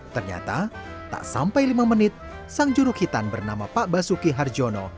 ternyata tak sampai lima menit sang juruk hitam bernama pak basuki harjono